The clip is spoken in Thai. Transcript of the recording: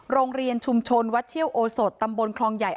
โรงเรียนชุมชนวัดเชี่ยวโอสดตำบลคลองใหญ่